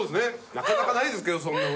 なかなかないですけどそんな事。